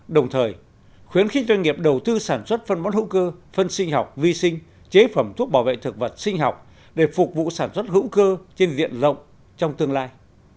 đồng thời khuyến khích doanh nghiệp đầu tư sản xuất phân bón hữu cơ phân sinh học vi sinh chế phẩm thuốc bảo vệ thực vật sinh học để phục vụ sản xuất hữu cơ trên diện rộng trong tương lai